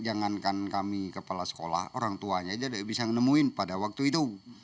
jangankan kami kepala sekolah orang tuanya aja bisa menemuin pada waktu itu